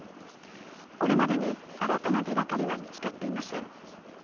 これまでに新たな手がかりは見つかっていません。